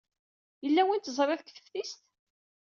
Yella win teẓrid deg teftist?